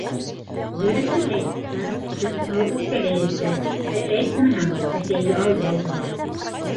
Дөрөҫөн әйтһәң, Көнһылыу үпкәләйәсәк, ә әйтмәһәң, әсәйҙе алдау була.